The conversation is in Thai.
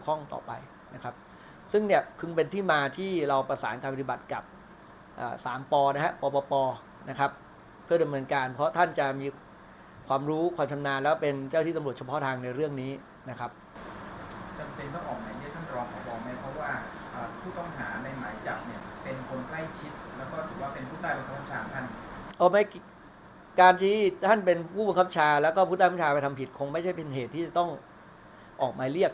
ดูความชำนาญแล้วเป็นเจ้าที่ตำรวจเฉพาะทางในเรื่องนี้นะครับจำเป็นต้องออกมาอย่างเงี้ยท่านรอบขอบอกไหมเพราะว่าอ่าผู้ต้องหาในหมายจับเนี่ยเป็นคนไข้ชิดแล้วก็ถือว่าเป็นผู้ใต้บังคับชาท่านเอาไปการที่ท่านเป็นผู้บังคับชาแล้วก็ผู้ใต้บังคับชาไปทำผิดคงไม่ใช่เป็นเหตุที่จะต้องออกมาเรียก